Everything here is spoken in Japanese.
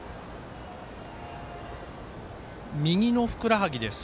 右のふくらはぎです。